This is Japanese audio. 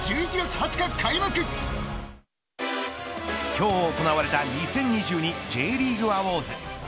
今日行われた２０２２Ｊリーグアウォーズ。